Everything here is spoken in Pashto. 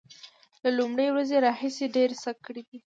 له لومړۍ ورځې راهیسې ډیر څه کړي دي